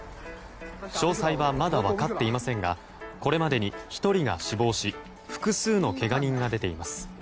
詳細はまだ分かっていませんがこれまでに１人が死亡し複数のけが人が出ています。